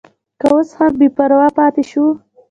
که اوس هم بې پروا پاتې شو.